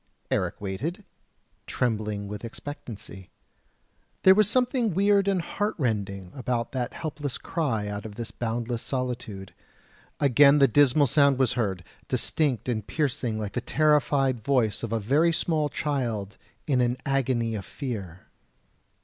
Eric waited, trembling with expectancy; there was something weird and heartrending about that helpless cry out of this boundless solitude; again the dismal sound was heard, distinct and piercing like the terrified voice of a very small child in an agony of fear.